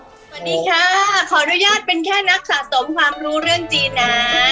สวัสดีค่ะขออนุญาตเป็นแค่นักสะสมความรู้เรื่องจีนนะ